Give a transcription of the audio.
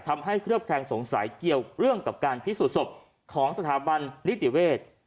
เคลือบแคลงสงสัยเกี่ยวเรื่องกับการพิสูจนศพของสถาบันนิติเวศ